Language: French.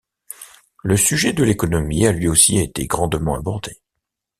Le sujet de l'économie à lui aussi été grandement abordé.